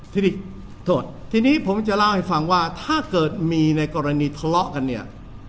ทีนี้โทษทีนี้ผมจะเล่าให้ฟังว่าถ้าเกิดมีในกรณีทะเลาะกันเนี่ย